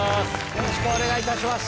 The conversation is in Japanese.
よろしくお願いします。